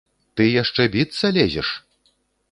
Ты яшчэ біцца лезеш?